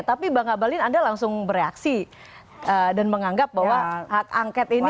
tapi bang abalin anda langsung bereaksi dan menganggap bahwa hak angket ini